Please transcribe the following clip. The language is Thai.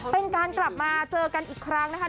เป็นการกลับมาเจอกันอีกครั้งนะคะ